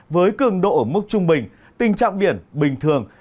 với cường độ ở mức trung bình tình trạng biển bình thường